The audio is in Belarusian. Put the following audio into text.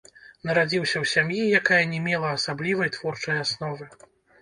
Нарадзіўся ў сям'і, якая не мела асаблівай творчай асновы.